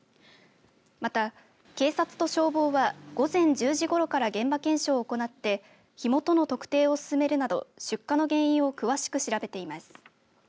また、警察と消防は午前１０時ごろから現場検証を行って火元の特定を進めるなど出火の原因を詳しく調べています。